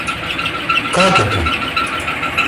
Как это?